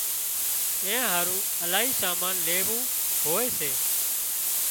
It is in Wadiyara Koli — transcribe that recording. اين هارُو الاهي سامان ليوون هوئي سي